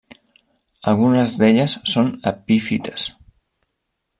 Algunes d'elles són epífites.